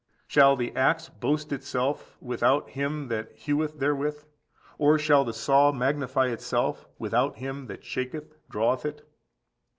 Shall the axe boast itself without him that heweth therewith? or shall the saw magnify itself without him that shaketh (draweth) it?